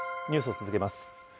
ニュースを続けます。